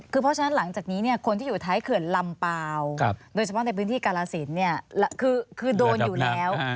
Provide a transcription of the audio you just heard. คือเพราะฉะนั้นหลังจากนี้คนที่อยู่ท้ายเขื่อนลำเปล่าโดยเฉพาะในพื้นที่กาลสินคือโดนอยู่แล้ว